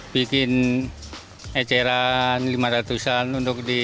bikin eceran lima ratus an untuk di